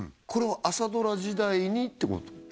これは朝ドラ時代にってこと？